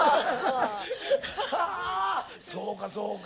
はそうかそうか。